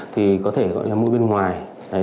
thì có thể gọi là mua bên ngoài